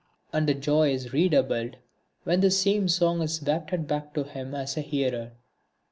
And the joy is redoubled when this same song is wafted back to him as hearer.